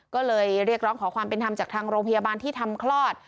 ก็เลยเรียกร้องขอความเป็นธรรมจากทางโรงพยาบาลที่ทำคลอด